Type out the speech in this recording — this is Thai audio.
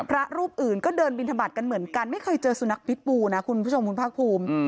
พระรูปอื่นก็เดินบินทบาทกันเหมือนกันไม่เคยเจอสุนัขพิษบูนะคุณผู้ชมคุณภาคภูมิ